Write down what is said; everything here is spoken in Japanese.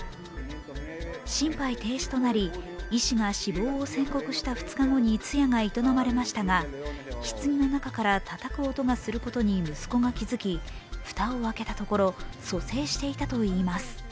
心肺停止となり医師が死亡を宣告した２日後に通夜が営まれましたがひつぎの中からたたく音がすることに息子が気付き、蓋を開けたところ蘇生していたといいます。